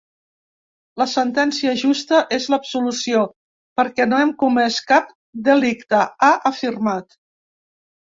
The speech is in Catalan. La sentència justa és l’absolució perquè no hem comès cap delicte, ha afirmat.